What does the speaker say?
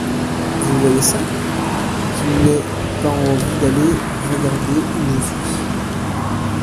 Vous voyez ça ? Qu'il n'ait pas envie d'aller regarder où je suis.